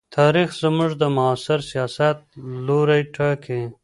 تاریخ زموږ د معاصر سیاست لوری ټاکي.